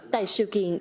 tại sự kiện